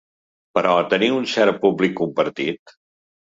¿Però teniu un cert públic compartit?